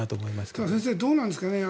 ただ、先生どうなんですかね。